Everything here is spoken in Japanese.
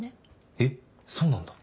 えっそうなんだ。